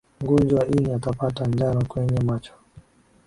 mgonjwa wa ini atapata njano kwenye macho